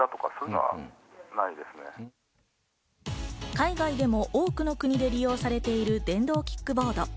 海外でも多くの国で利用されている電動キックボード。